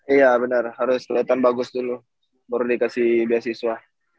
iya benar harus kelihatan bagus dulu baru dikasih beasiswa